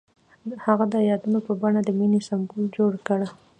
هغه د یادونه په بڼه د مینې سمبول جوړ کړ.